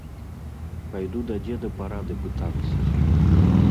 Пайду да дзеда парады пытацца.